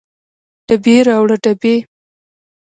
ډبې راوړه ډبې